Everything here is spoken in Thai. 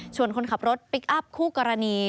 ส่วนคนขับรถพลิกอัพคู่กรณี